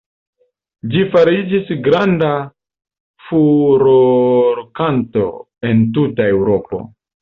Ĝi fariĝis granda furorkanto en tuta Eŭropo.